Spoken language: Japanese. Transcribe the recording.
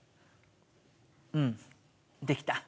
うんできた。